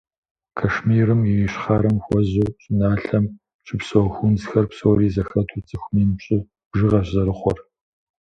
Кашмирым и ищхъэрэм хуэзэ щӏыналъэм щыпсэу хунзхэр псори зэхэту цӏыху мин пщӏы бжыгъэщ зэрыхъур.